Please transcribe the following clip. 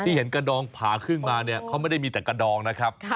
เห็นกระดองผาครึ่งมาเนี่ยเขาไม่ได้มีแต่กระดองนะครับ